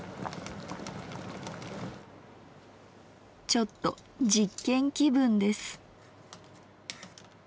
ちょっと実験気分です。